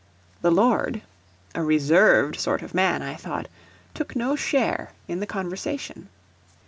The lord a reserved sort of man, I thought took no share in the conversation.